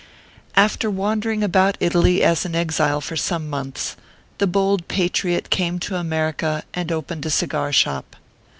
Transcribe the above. After wandering about Italy as an exile for some months, the bold patriot came to America and opened a cigar shop.